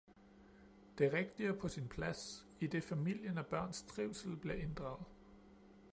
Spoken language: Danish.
Dette er rigtigt og på sin plads, idet familien og børns trivsel bliver inddraget.